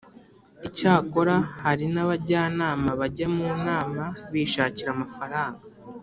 Icyakora hari n’Abajyanama bajya mu Nama bishakira amafaranga